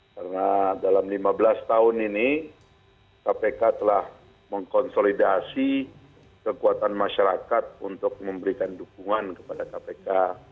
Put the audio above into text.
karena dalam lima belas tahun ini kpk telah mengkonsolidasi kekuatan masyarakat untuk memberikan dukungan kepada kpk